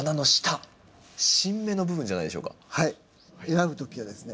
選ぶ時はですね